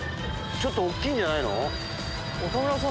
ちょっと大きいんじゃないの？